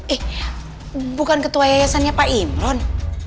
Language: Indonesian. ih bukan ketua yayasannya pak imron